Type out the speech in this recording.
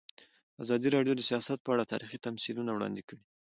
ازادي راډیو د سیاست په اړه تاریخي تمثیلونه وړاندې کړي.